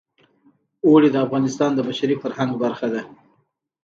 اوړي د افغانستان د بشري فرهنګ برخه ده.